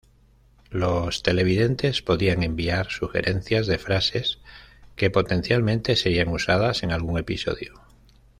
Los televidentes podían enviar sugerencias de frases que potencialmente serían usadas en algún episodio.